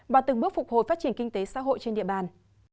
và từng bước phục hồi phát triển kinh tế xã hội trên địa bàn